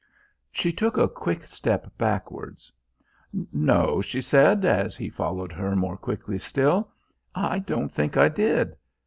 She took a quick step backwards. "No," she said, as he followed her more quickly still, "I don't think I did.